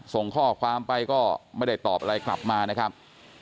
ส่งข้อความไปก็ไม่ได้ตอบอะไรกลับมานะครับ